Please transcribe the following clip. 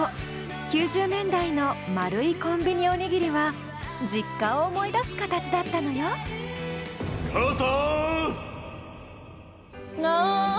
９０年代の丸いコンビニおにぎりは実家を思い出すカタチだったのよあ。